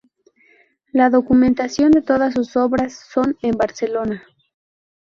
La documentación de todas sus obras son en Barcelona.